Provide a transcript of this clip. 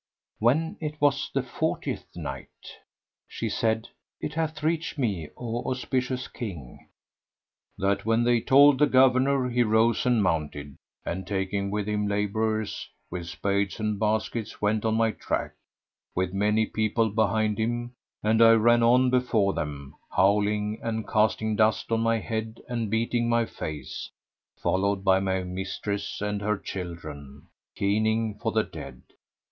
When it was the Fortieth Night,[FN#97] She said, It hath reached me, O auspicious King, that when they told the Governor, he rose and mounted and, taking with him labourers, with spades and baskets, went on my track, with many people behind him; and I ran on before them, howling and casting dust on my head and beating my face, followed by my mistress and her children keening for the dead.